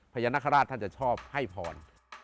พญานาคาราชท่านจะชอบให้พร